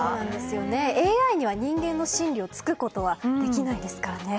ＡＩには人間の心理を突くことはできないですからね。